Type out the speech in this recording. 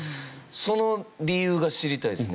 その理由が知りたいですね。